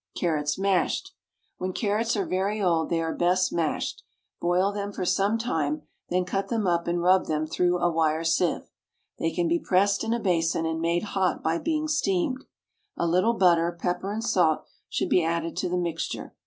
CARROTS, MASHED. When carrots are very old they are best mashed. Boil them for some time, then cut them up and rub them through a wire sieve. They can be pressed in a basin and made hot by being steamed. A little butter, pepper and salt should be added to the mixture.